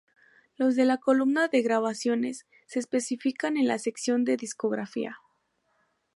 Los de la columna de "Grabaciones" se especifican en la sección de "Discografía".